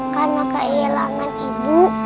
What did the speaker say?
karena kehilangan ibu